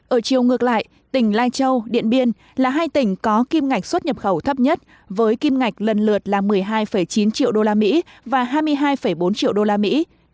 ở chiều ngược lại tỉnh lai châu điện biên là hai tỉnh có kim ngạch xuất nhập khẩu thấp nhất với kim ngạch lần lượt là một mươi hai chín triệu đô la mỹ và hai mươi hai bốn triệu đô la mỹ